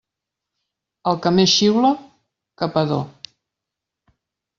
El que més xiula, capador.